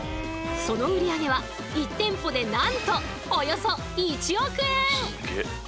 その売り上げは１店舗でなんとおよそ１億円！